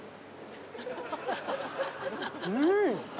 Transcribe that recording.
うん。